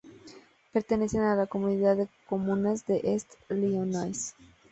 Pertenece a la comunidad de comunas del Est Lyonnais.